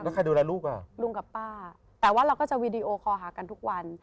แล้วใครดูแลลูกอ่ะลุงกับป้าแต่ว่าเราก็จะวีดีโอคอลหากันทุกวัน